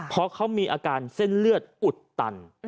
เพราะเขามีอาการเส้นเลือดอุดตัน